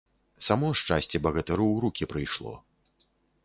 Само шчасце багатыру ў рукі прыйшло.